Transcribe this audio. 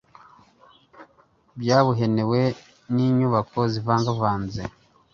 byabuhenewe. ni inyubako zivangavanze